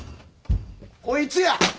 こいつや！